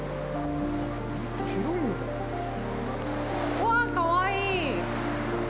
うわっ、かわいい！